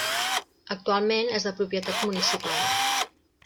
Actualment és de propietat municipal.